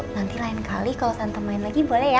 nanti lain kali kalau santem main lagi boleh ya